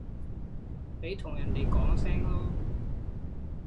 你同人哋講聲囉